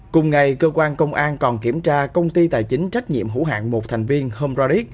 cùng ngày cơ quan công an còn kiểm tra công ty tài chính trách nhiệm hữu hạng một thành viên home raric